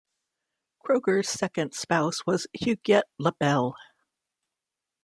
Kroeger's second spouse was Huguette Labelle.